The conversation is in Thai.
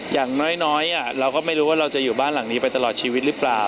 อย่างน้อยเราก็ไม่รู้ว่าเราจะอยู่บ้านหลังนี้ไปตลอดชีวิตหรือเปล่า